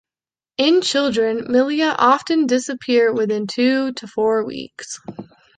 In children, milia often disappear within two to four weeks.